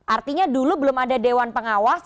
artinya dulu belum ada dewan pengawas